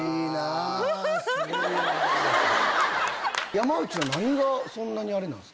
山内の何がそんなにあれなんですか？